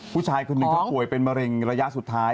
ผู้ชายคนหนึ่งเขาป่วยเป็นมะเร็งระยะสุดท้าย